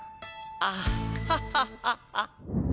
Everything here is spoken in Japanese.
アッハハハハ。